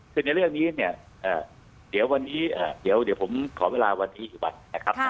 คือในเรื่องนี้เนี่ยเดี๋ยววันนี้เดี๋ยวผมขอเวลาวันนี้อีกวันนะครับ